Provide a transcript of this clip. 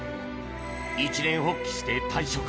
一念発起して退職。